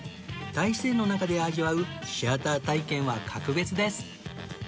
大自然の中で味わうシアター体験は格別です！